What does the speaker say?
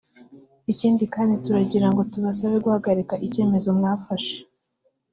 Ikindi kandi turagira ngo tubasabe guhagarika icyemezo mwafashe